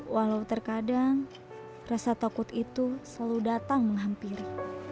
walau terkadang rasa takut itu selalu datang menghampiri